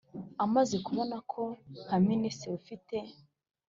Amaze kubona ko nka minisitiri ufite